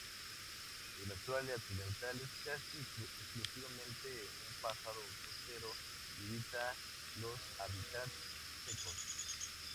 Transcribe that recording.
En Australia Occidental es casi exclusivamente un pájaro costero y evita los hábitats secos.